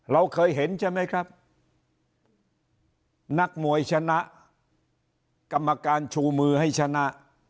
เราเคยเห็นใช่ไหมครับนักมวยคณะกรรมการชูมือให้ชนะ